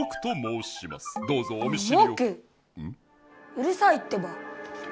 うるさいってば！